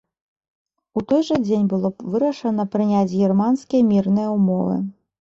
У той жа дзень было вырашана прыняць германскія мірныя ўмовы.